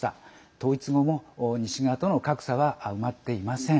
統一後も、西側との格差は埋まっていません。